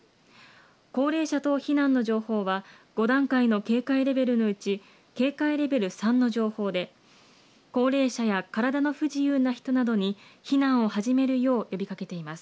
高齢者等避難の情報は、５段階の警戒レベルのうち警戒レベル３の情報で、高齢者や体の不自由な人などに避難を始めるよう呼びかけています。